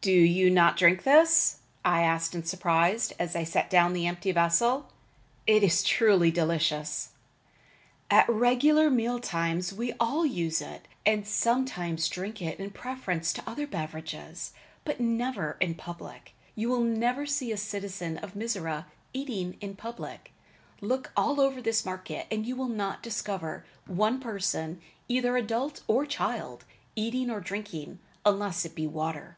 "Do you not drink this?" I asked in surprise, as I set down the empty vessel. "It is truly delicious." "At regular meal times we all use it, and sometimes drink it in preference to other beverages but never in public. You will never see a citizen of Mizora eating in public. Look all over this market and you will not discover one person, either adult or child, eating or drinking, unless it be water."